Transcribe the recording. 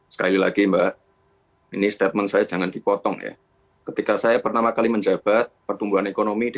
sekali lagi mbak ini statement saya jangan dipotong ya ketika saya pertama kali menjabat pertumbuhan ekonomi di